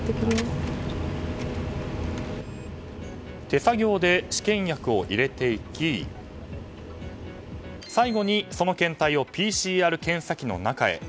手作業で試験薬を入れていき最後にその検体をＰＣＲ検査機の中へ。